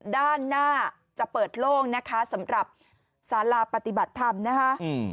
ด้านหน้าจะเปิดโล่งนะคะสำหรับสาราปฏิบัติธรรมนะคะอืม